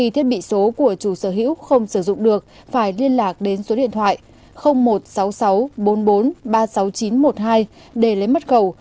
thì số của chủ sở hữu không sử dụng được phải liên lạc đến số điện thoại một sáu sáu bốn bốn ba sáu chín một hai để lấy mật khẩu